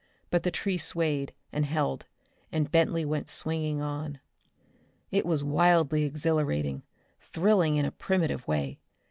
But the tree swayed, and held, and Bentley went swinging on. It was wildly exhilarating, thrilling in a primitive way.